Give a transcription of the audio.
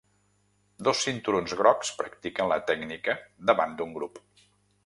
Dos cinturons grocs practiquen la tècnica davant d'un grup